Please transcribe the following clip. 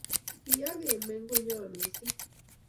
Kiya kemeny konyo mising